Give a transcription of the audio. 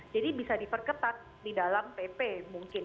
jadi bisa diperketat di dalam pp mungkin